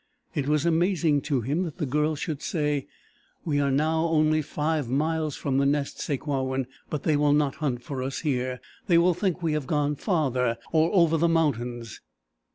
It was amazing to him that the Girl should say: "We are only five miles from the Nest, Sakewawin, but they will not hunt for us here. They will think we have gone farther or over the mountains!"